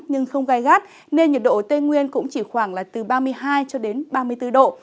nhưng không gai gắt nên nhiệt độ tây nguyên cũng chỉ khoảng là từ ba mươi hai cho đến ba mươi bốn độ